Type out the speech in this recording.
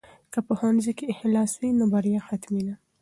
که په ښوونځي کې اخلاص وي نو بریا حتمي ده.